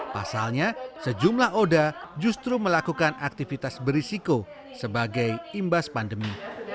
pasalnya sejumlah oda justru melakukan aktivitas berisiko sebagai imbas pandemi